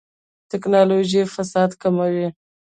ټکنالوژي فساد کموي